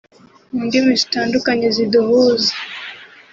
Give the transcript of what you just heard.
mu ndimi zitandukanye ziduhuza